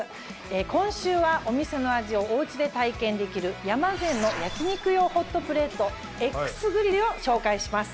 今週はお店の味をお家で体験できる山善の焼肉用ホットプレートＸＧＲＩＬＬを紹介します。